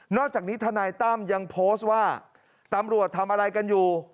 อกจากนี้ทนายตั้มยังโพสต์ว่าตำรวจทำอะไรกันอยู่